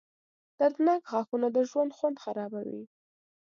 • دردناک غاښونه د ژوند خوند خرابوي.